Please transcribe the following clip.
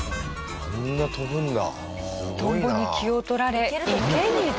あんな跳ぶんだ。